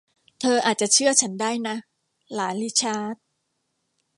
เธออาจจะเชื่อฉันได้นะ หลานริชาร์ด